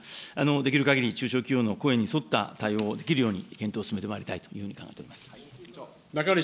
できるかぎり中小企業の声に沿った対応をできるように検討を進めてまいりたいというふうに考えております。